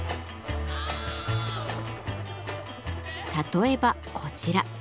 例えばこちら。